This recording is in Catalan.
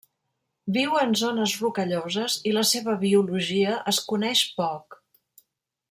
Viu en zones rocalloses, i la seva biologia es coneix poc.